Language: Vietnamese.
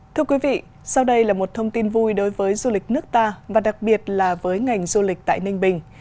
thưa quý vị sau đây là một thông tin vui đối với du lịch nước ta và đặc biệt là với ngành du lịch tại ninh bình